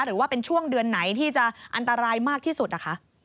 หรือว่าเป็นช่วงเดือนไหนที่จะอันตรายมากที่สุดนะคะ